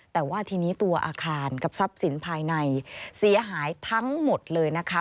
แต่ว่าทีนี้ตัวอาคารกับทรัพย์สินภายในเสียหายทั้งหมดเลยนะคะ